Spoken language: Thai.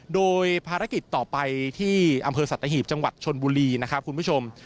โดยภารกิจต่อไปที่อำเภอสัตหีบจังหวัดชนบุรีนะครับคุณผู้ชม